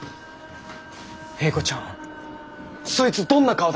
英子ちゃんそいつどんな顔だった？